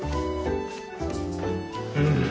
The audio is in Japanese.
うん。